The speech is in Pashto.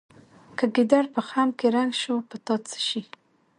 که ګیدړ په خم کې رنګ شو په دا څه شي.